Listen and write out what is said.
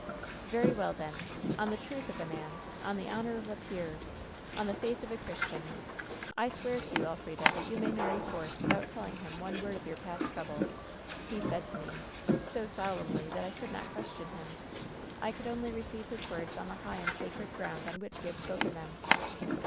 " 'Very well, then. On the truth of a man, on the honor of a peer, on the faith of a Christian, I swear to you, Elfrida, that you may marry Force without telling him one word of your past trouble,' he said to me, so solemnly that I could not question him. I could only receive his words on the high and sacred ground on which he had spoken them.